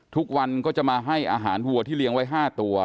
ทุกวันก็จะมาให้อาหารวัวที่เลี้ยงไว้๕ตัว